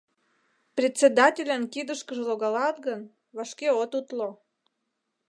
Председательын кидышкыже логалат гын, вашке от утло.